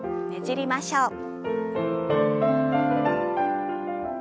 ねじりましょう。